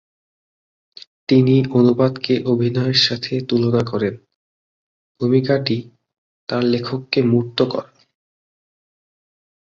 তিনি অনুবাদকে অভিনয়ের সাথে তুলনা করেন, ভূমিকাটি "তার লেখককে মূর্ত করা"।